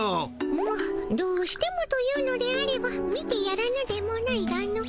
まっどうしてもと言うのであれば見てやらぬでもないがの。